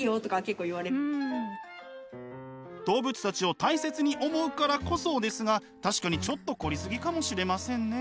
動物たちを大切に思うからこそですが確かにちょっと凝り過ぎかもしれませんね。